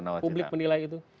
bisa nggak publik menilai itu